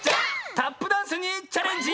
タップダンスにチャレンジ！